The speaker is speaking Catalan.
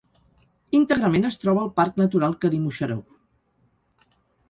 Íntegrament es troba al parc natural Cadí-Moixeró.